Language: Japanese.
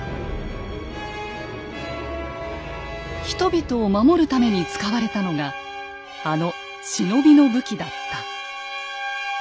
人々を守るために使われたのがあの忍びの武器だった。